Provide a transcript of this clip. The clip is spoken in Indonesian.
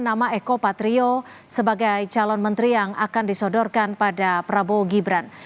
nama eko patrio sebagai calon menteri yang akan disodorkan pada prabowo gibran